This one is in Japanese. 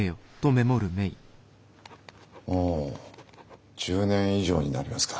もう１０年以上になりますか。